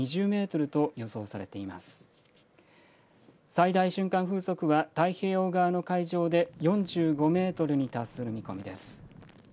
最大瞬間風速は太平洋側の海上で４５メートルに達する見込みです。